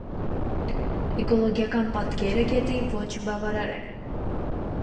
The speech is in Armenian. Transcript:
Էկոլոգիական պատկերը գետի ոչ բավարար է։